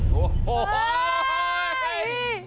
เจ้าหนูหน้าข้างกลางแถว